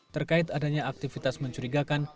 terkait adanya aktivitas mencurigakan